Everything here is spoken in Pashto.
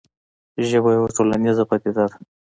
ژبه یوه ټولنیزه پدیده ده.